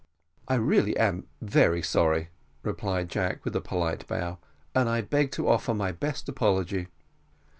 "I really am very sorry," replied Jack, with a polite bow, "and I beg to offer my best apology."